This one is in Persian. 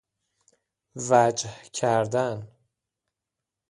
وجه کردن